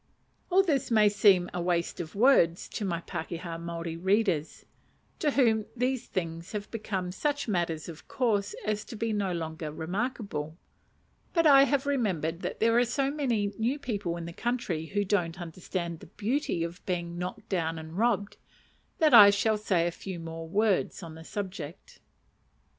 All this may seem a waste of words to my pakeha Maori readers, to whom these things have become such matters of course as to be no longer remarkable; but I have remembered that there are so many new people in the country who don't understand the beauty of being knocked down and robbed, that I shall say a few more words on the subject.